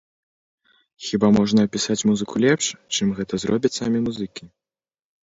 Хіба можна апісаць музыку лепш, чым гэта зробяць самі музыкі?